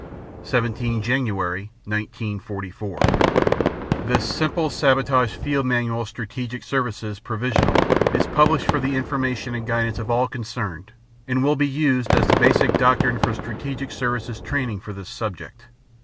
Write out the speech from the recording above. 17 January 1944 This Simple Sabotage Field Manual Strategic Services (Provisional) is published for the information and guidance of all concerned and will be used as the basic doctrine for Strategic Services training for this subject.